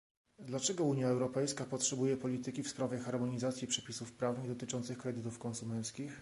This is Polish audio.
Dlaczego Unia Europejska potrzebuje polityki w sprawie harmonizacji przepisów prawnych dotyczących kredytów konsumenckich?